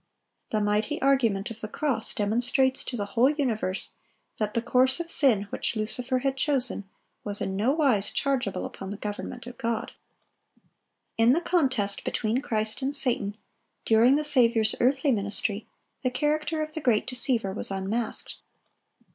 The mighty argument of the cross demonstrates to the whole universe that the course of sin which Lucifer had chosen was in no wise chargeable upon the government of God. In the contest between Christ and Satan, during the Saviour's earthly ministry, the character of the great deceiver was unmasked.